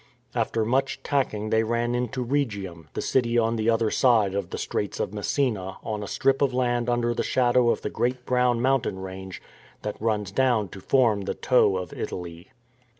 After much tacking they ran into Rhegium, the city on the other side of the Straits of Messina on a strip of land under the shadow of the great brown mountain range that runs down to form the toe of Italy.